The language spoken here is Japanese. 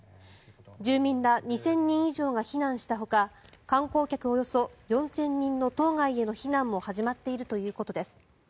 住民ら２０００人以上が避難したほか観光客およそ４０００人の島外への避難も始まっているということです。